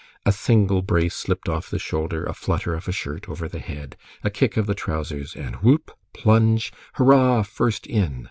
A single brace slipped off the shoulder, a flutter of a shirt over the head, a kick of the trousers, and whoop! plunge! "Hurrah! first in."